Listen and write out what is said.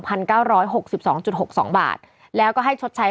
เก้าร้อยหกสิบสองจุดหกสองบาทแล้วก็ให้ชดใช้